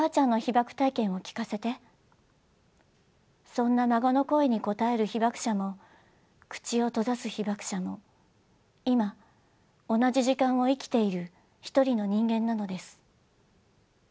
そんな孫の声にこたえる被爆者も口を閉ざす被爆者も今同じ時間を生きているひとりの人間なのです。